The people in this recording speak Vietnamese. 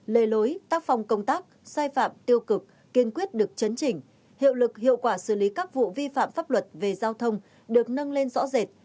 lề lối tác phong công tác sai phạm tiêu cực kiên quyết được chấn chỉnh hiệu lực hiệu quả xử lý các vụ vi phạm pháp luật về giao thông được nâng lên rõ rệt